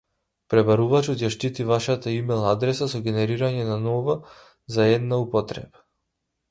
Пребарувачот ја штити вашата имејл адреса со генерирање на нова за една употреба